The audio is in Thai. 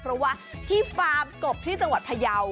เพราะว่าที่ฟาร์มกบที่จังหวัดพยาว